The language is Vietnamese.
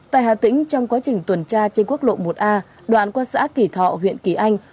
tại hà tĩnh trong quá trình tuần tra trên quốc lộ một a đoạn qua xã kỳ thọ huyện kỳ anh